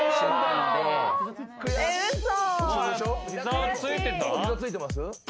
膝ついてます？